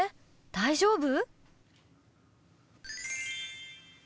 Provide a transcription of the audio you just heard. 大丈夫？